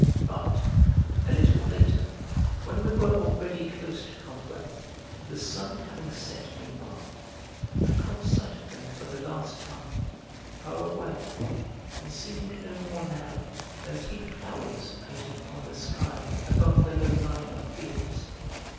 But, a little later, when we were already close to Combray, the sun having set meanwhile, I caught sight of them for the last time, far away, and seeming no more now than three flowers painted upon the sky above the low line of fields.